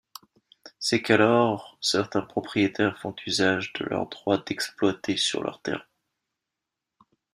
C'est qu'alors certains propriétaires font usage de leur droit d'exploiter sur leurs terrains.